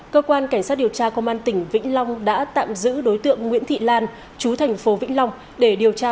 cơ quan cảnh sát điều tra công an tỉnh vĩnh long đã tạm giữ đối tượng nguyễn thị lan chú thành phố vĩnh long để điều tra